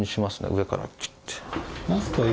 上からキュって。